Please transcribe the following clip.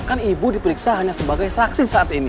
kan ibu diperiksa hanya sebagai saksi saat ini